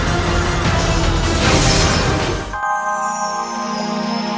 sekarang sudah aman yunde